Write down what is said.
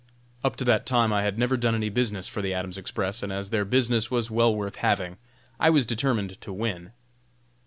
Up to that time I had never done any business for the Adams Express, and as their business was well worth having, I was determined to win.